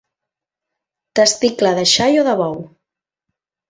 Testicle de xai o de bou.